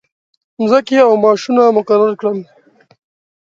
مځکې او معاشونه مقرر کړل.